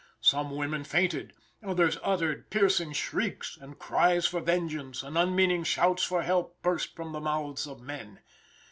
Some women fainted, others uttered piercing shrieks, and cries for vengeance and unmeaning shouts for help burst from the mouths of men.